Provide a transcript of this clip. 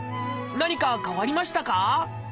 何か変わりましたか？